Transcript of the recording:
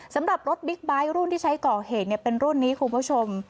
สำหรับรถบิ๊กไบท์รุ่นที่ใช้ก่อเหตุเป็นรุ่นนี้คุณผู้ชม